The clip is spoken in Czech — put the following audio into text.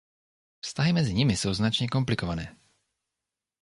Vztahy mezi nimi jsou značně komplikované.